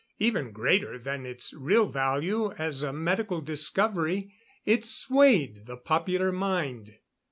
Even greater than its real value as a medical discovery, it swayed the popular mind.